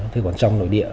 thế còn trong nội địa